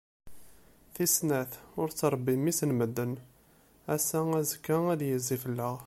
Tis snat, ur ttrebbi mmi-s n medden, ass-a, azekka ad d-yezzi fell-ak.